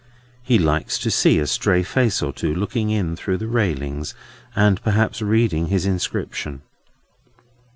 He likes to see a stray face or two looking in through the railings, and perhaps reading his inscription.